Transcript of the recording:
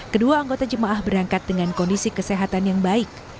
kedua anggota jemaah berangkat dengan kondisi kesehatan yang baik